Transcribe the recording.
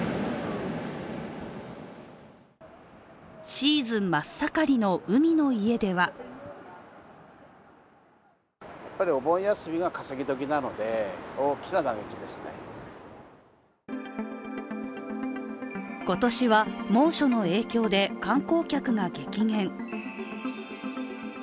シーズン真っ盛りの海の家では今年は猛暑の影響で観光客が激減。